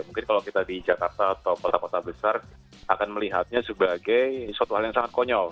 mungkin kalau kita di jakarta atau kota kota besar akan melihatnya sebagai suatu hal yang sangat konyol